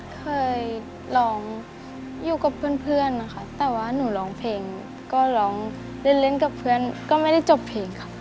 เคยร้องอยู่กับเพื่อนนะคะแต่ว่าหนูร้องเพลงก็ร้องเล่นเล่นกับเพื่อนก็ไม่ได้จบเพลงค่ะ